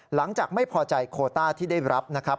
หลังจากไม่พอใจโคต้าที่ได้รับนะครับ